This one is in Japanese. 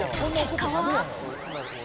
結果は。